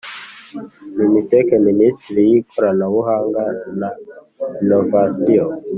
Mitec minisiteri y ikoranabuhanga na inovasiyo